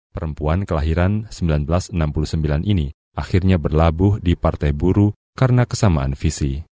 perempuan kelahiran seribu sembilan ratus enam puluh sembilan ini akhirnya berlabuh di partai buruh karena kesamaan visi